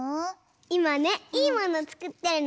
いまねいいものつくってるの。